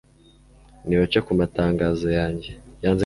nibaca ku matangazo yanjye